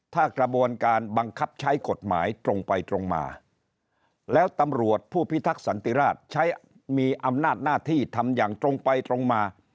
ถ้ากระบวนการบังคับใช้กฎหมายตรงไปตรงมาแล้วตำรวจผู้พิทักษันติราชใช้มีอำนาจหน้าที่ทำอย่างตรงไปตรงมา